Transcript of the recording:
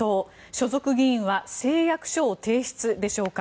所属議員は誓約書を提出でしょうか。